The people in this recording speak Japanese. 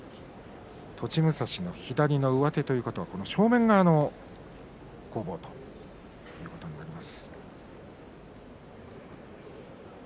栃武蔵が左の上手ということは正面側の攻防ということになります。